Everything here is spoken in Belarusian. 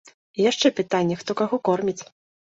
І яшчэ пытанне, хто каго корміць.